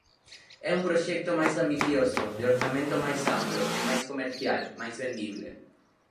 É un proxecto máis ambicioso, de orzamento máis amplo, e máis comercial, máis vendible.